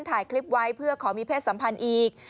ถ่ายคลิปไว้เพื่อขอมีเพศสัมพันธ์อีก